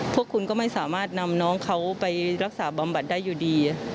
พวกคุณก็ไม่สามารถนำน้องเขาไปรักษาบำบัดได้อยู่ดี